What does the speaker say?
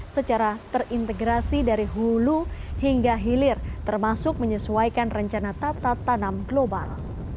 secara terintegrasi dari hulu hingga hilir termasuk menyesuaikan rencana tata tanam global